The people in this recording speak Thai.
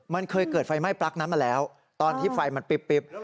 มันเคยเกิดไฟไหม้ปลั๊กนั้นมาแล้วตอนที่ไฟมันปิ๊บ